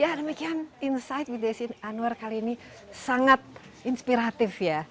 ya demikian insight with desi anwar kali ini sangat inspiratif ya